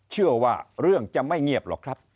เชื่อว่าเรื่องจะไม่เงียบหรอกครับ